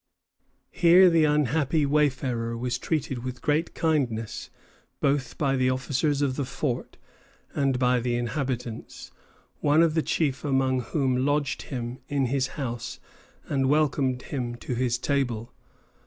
Here the unhappy wayfarer was treated with great kindness both by the officers of the fort and by the inhabitants, one of the chief among whom lodged him in his house and welcomed him to his table.